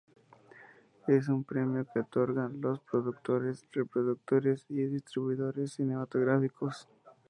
Es un premio que otorgan los Productores, Reproductores y Distribuidores Cinematográficos.